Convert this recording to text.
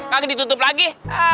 lagi ditutup lagi